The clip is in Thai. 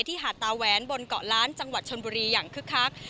หาดตาแหวนบนเกาะล้านจังหวัดชนบุรีอย่างคึกคัก